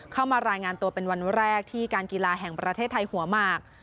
เข้ามารายงานตัวเป็นวันแรกที่การกีฬาแห่งประเทศไทยหัวหมาก